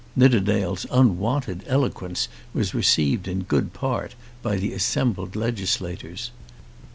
Nidderdale's unwonted eloquence was received in good part by the assembled legislators.